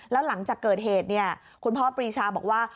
แล้วหลังจากเกิดเหตุคุณพ่อปรีชาบอกว่า